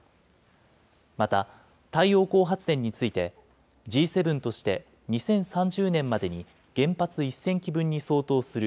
また、太陽光発電について、Ｇ７として２０３０年までに、原発１０００基分に相当する